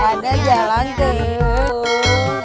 gak ada jaylangkung